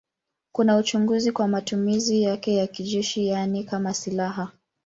Kuna uchunguzi kwa matumizi yake ya kijeshi, yaani kama silaha.